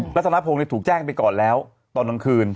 รัฐนพงศ์ถูกแจ้งไปก่อนแล้วตอนกลางคืน